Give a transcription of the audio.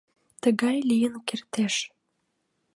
— Тыгат лийын кертеш.